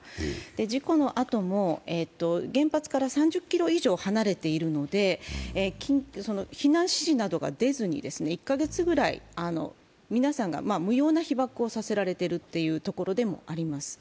事故のあとも原発から３０ｋｍ以上離れているので、避難指示などが出ずに、１か月ぐらい皆さんが無用な被爆をさせられているというところでもあります。